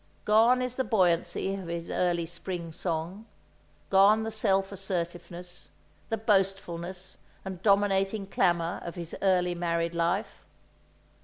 Gone is the buoyancy of his early spring song; gone the self assertiveness, the boastfulness and dominating clamour of his early married life.